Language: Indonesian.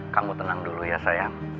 kamu tenang dulu ya sayang